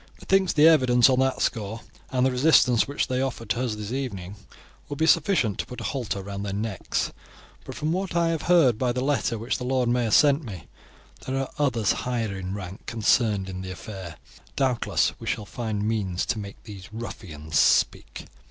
Methinks the evidence on that score, and the resistance which they offered to us this evening, will be sufficient to put a halter round their necks; but from what I have heard by the letter which the Lord Mayor sent me, there are others higher in rank concerned in the affair; doubtless we shall find means to make these ruffians speak."